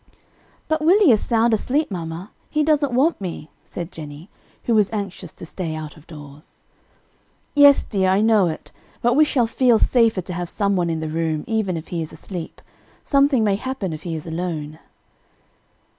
"But Willie is sound asleep, mamma, he doesn't want me," said Jennie, who was anxious to stay out of doors. "Yes, dear, I know it, but we shall feel safer to have some one in the room, even if he is asleep; something may happen if he is alone."